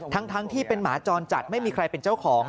ทั้งที่เป็นหมาจรจัดไม่มีใครเป็นเจ้าของ